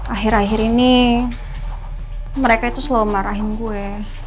akhir akhir ini mereka itu selalu marahin gue